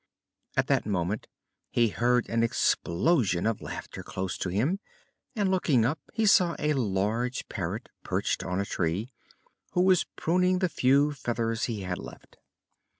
At that moment he heard an explosion of laughter close to him and, looking up, he saw a large Parrot perched on a tree, who was pruning the few feathers he had left.